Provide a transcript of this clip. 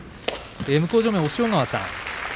向正面、押尾川さん